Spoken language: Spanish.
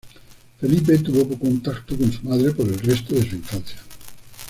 Felipe tuvo poco contacto con su madre por el resto de su infancia.